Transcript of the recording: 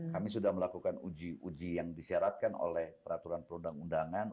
kami sudah melakukan uji uji yang disyaratkan oleh peraturan perundang undangan